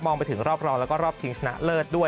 ไปถึงรอบรองแล้วก็รอบชิงชนะเลิศด้วย